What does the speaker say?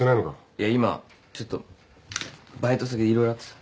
いや今ちょっとバイト先で色々あってさ。